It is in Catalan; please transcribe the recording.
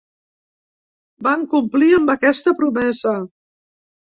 Van complir amb aquesta promesa.